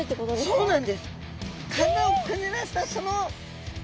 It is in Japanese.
そうなんです。